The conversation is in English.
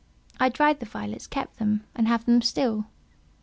I dried the violets, kept them, and have them still."